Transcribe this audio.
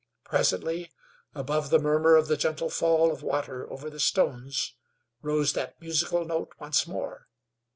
Presently, above the murmur of the gentle fall of water over the stones, rose that musical note once more.